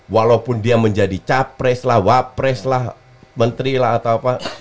walaupun dia menjadi capres lah wapres lah menteri lah atau apa